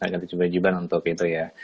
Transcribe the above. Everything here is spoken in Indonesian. kewajiban untuk pintri ya